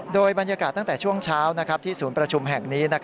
โดยบรรยากาศตั้งแต่ช่วงเช้าที่ศูนย์ประชุมแห่งนี้